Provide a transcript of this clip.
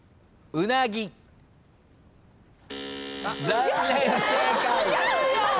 残念不正解。